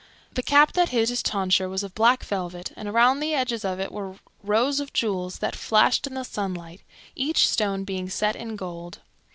The cap that hid his tonsure was of black velvet, and around the edges of it were rows of jewels that flashed in the sunlight, each stone being set in gold.